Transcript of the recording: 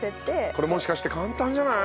これもしかして簡単じゃない？